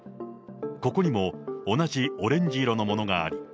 ここにも同じオレンジ色のものがある。